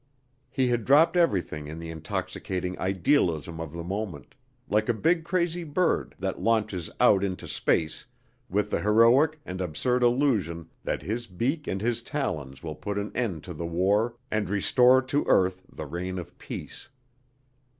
He had dropped everything in the intoxicating idealism of the moment, like a big crazy bird that launches out into space with the heroic and absurd illusion that his beak and his talons will put an end to the war and restore to earth the reign of peace.